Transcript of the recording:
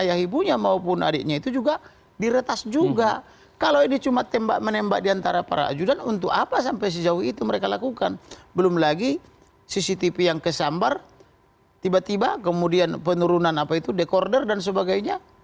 ya yang ditetapkan sebagai tersangka itu jelas pelaku langsung ya